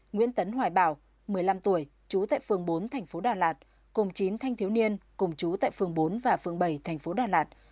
nguyễn tấn hoài bảo một mươi năm tuổi trú tại phường bốn tp đà lạt cùng chín thanh thiếu niên cùng trú tại phường bốn và phường bảy tp đà lạt